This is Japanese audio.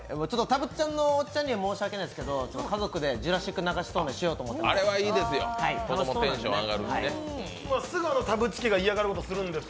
たぶっちゃんのおっちゃんには申し訳ないですけど家族でジュラシック流しそうめんしようと思います。